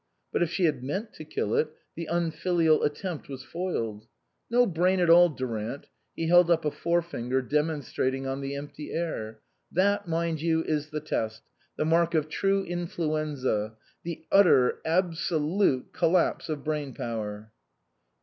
But if she had meant to kill it, the un filial attempt was foiled. " No brain at all, Durant." He held up a fore finger, demonstrating on the empty air. "That, mind you, is the test, the mark of true influenza the ut ter, absoZufe collapse of brain power."